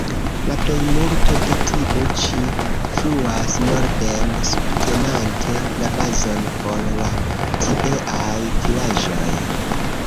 La plejmulto de tiu ĉi fluas norden, subtenante la bazon por la tieaj vilaĝoj.